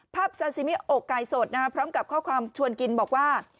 ซาซิมิอกไก่สดพร้อมกับข้อความชวนกินบอกว่า